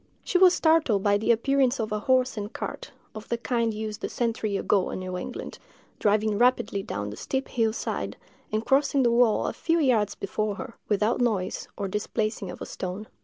She was startled by the appearance of a horse and cart, of the kind used a century ago in New England, driving rapidly down the steep hill side, and crossing the wall a few yards before her, without noise or displacing of a stone.